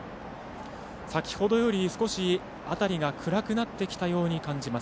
先ほどより、少し辺りが暗くなってきたように感じます